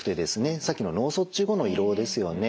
さっきの脳卒中後の胃ろうですよね。